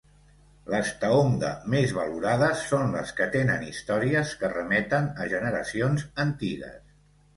Les "taonga" més valorades són les que tenen històries que remeten a generacions antigues.